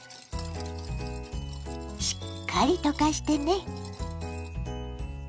しっかり溶かしてね。